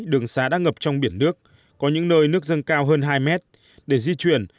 đường xá đã ngập trong biển nước có những nơi nước dâng cao hơn hai mét để di chuyển